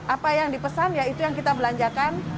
apa yang dipesan ya itu yang kita belanjakan